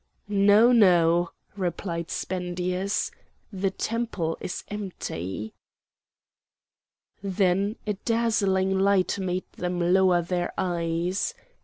"No, no," replied Spendius, "the temple is empty." Then a dazzling light made them lower their eyes.